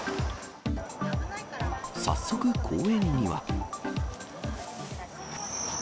早速公園には。